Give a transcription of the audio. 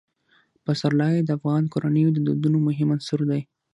پسرلی د افغان کورنیو د دودونو مهم عنصر دی.